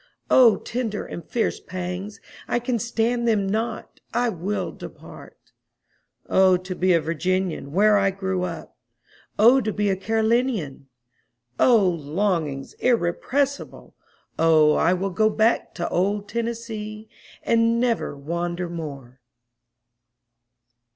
O tender and fierce pangs—I can stand them not—I will depart;O to be a Virginian, where I grew up! O to be a Carolinian!O longings irrepressible! O I will go back to old Tennessee, and never wander more!